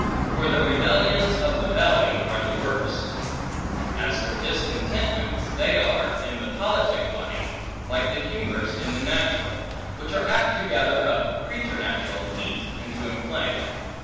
For the rebellions of the belly are the worst. As for discontentments, they are, in the politic body, like to humors in the natural, which are apt to gather a preternatural heat, and to inflame.